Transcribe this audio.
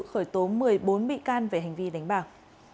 khởi tố một mươi bốn bị can về hành vi đánh bạc